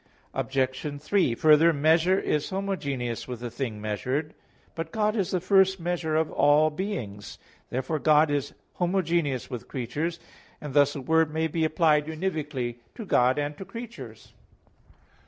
Obj. 3: Further, measure is homogeneous with the thing measured. But God is the first measure of all beings. Therefore God is homogeneous with creatures; and thus a word may be applied univocally to God and to creatures.